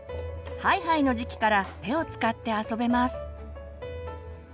ハイハイの時期から手を使って遊べます。